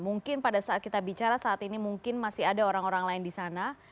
mungkin pada saat kita bicara saat ini mungkin masih ada orang orang lain di sana